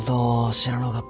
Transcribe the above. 知らなかった。